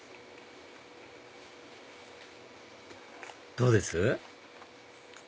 どうです？